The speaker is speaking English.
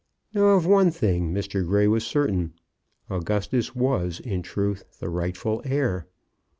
Now, of one thing Mr. Grey was certain: Augustus was, in truth, the rightful heir.